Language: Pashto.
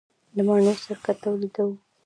د مڼو سرکه تولیدوو؟